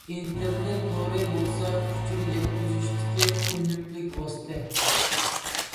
ئىنتېرنېت تورى بولسا ئۇچۇر يەتكۈزۈشتىكى ئۈنۈملۈك ۋاسىتە.